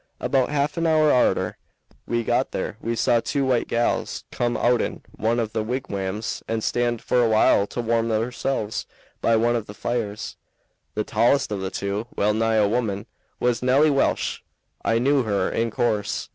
About half an hour arter we got there we saw two white gals come outen one of the wigwams and stand for a while to warm theirselves by one of the fires. The tallest of the two, well nigh a woman, was Nelly Welch. I knew her, in course.